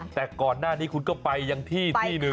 แต่ก่อนหน้านี้คุณก็ไปยังที่ที่หนึ่ง